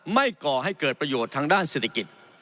ก่อให้เกิดประโยชน์ทางด้านเศรษฐกิจ